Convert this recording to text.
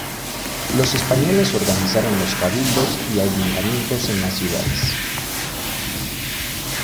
Los españoles organizaron los cabildos y ayuntamientos en las ciudades.